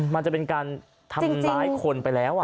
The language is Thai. มันจะเป็นการทำร้ายคนไปแล้ว